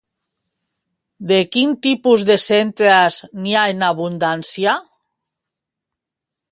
De quin tipus de centres n'hi ha en abundància?